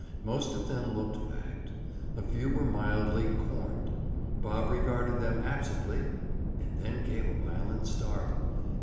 Most of them looked fagged; a few were mildly "corned." Bob regarded them absently and then gave a violent start.